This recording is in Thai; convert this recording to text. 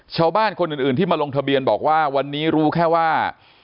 ชาวบ้านคนอื่นที่มาลงทะเบียนบอกว่าวันนี้รู้แค่ว่า